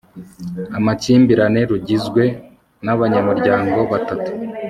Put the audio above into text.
amakimbirane rugizwe n abanyamuryango batatu